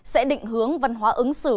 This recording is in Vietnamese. sẽ định hướng văn hóa ứng xử